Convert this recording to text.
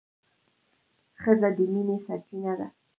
ښځه د مینې سرچینه ده.